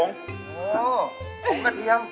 ผงกระเทียม